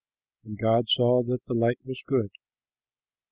And God saw that the light was good.